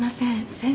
先生